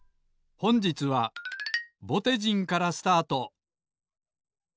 ほんじつはぼてじんからスタート！